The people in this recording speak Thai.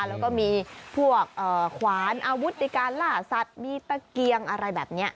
แล้วก็มีพวกขวานอาวุธในการล่าสัตว์มีตะเกียงอะไรแบบนี้